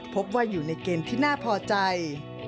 พบว่าอยู่ในเกณฑ์ที่น่าพอใจ